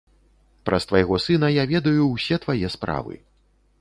Праз твайго сына я ведаю ўсе твае справы.